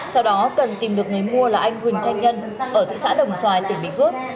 sau đó cần tìm được người mua là anh huỳnh thanh nhân ở thị xã đồng xoài tỉnh bình phước